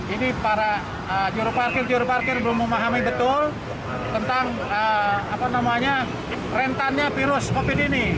ini para juruparkir juruparkir belum memahami betul tentang rentannya virus covid ini